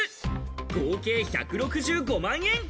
合計１６５万円。